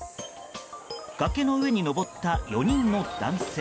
崖の上に登った４人の男性。